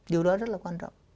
điều đó rất là quan trọng